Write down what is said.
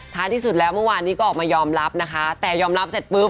ที่สุดแล้วเมื่อวานนี้ก็ออกมายอมรับนะคะแต่ยอมรับเสร็จปุ๊บ